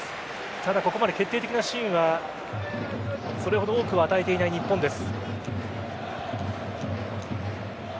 ただ、ここまで決定的なシーンはそれほど多くは与えていない日本です。